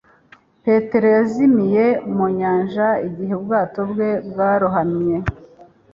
Petero yazimiye mu nyanja igihe ubwato bwe bwarohamye